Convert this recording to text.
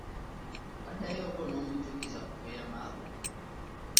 Waddayoko noomujukiza ku kweyaama kwe.